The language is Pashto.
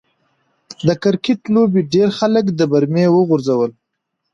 د کرکټ لوبې ډېر خلک د برمې و غورځول.